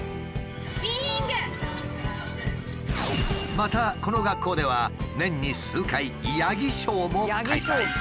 またこの学校では年に数回ヤギショーも開催。